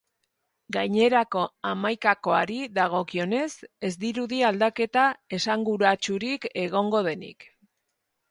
Gainerako hamaikakoari dagokionez, ez dirudi aldaketa esanguratsurik egongo denik.